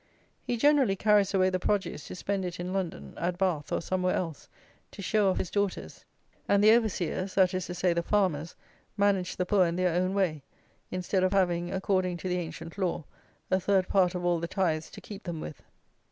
He generally carries away the produce to spend it in London, at Bath, or somewhere else, to show off his daughters; and the overseers, that is to say, the farmers, manage the poor in their own way, instead of having, according to the ancient law, a third part of all the tithes to keep them with.